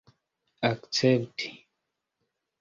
akcepti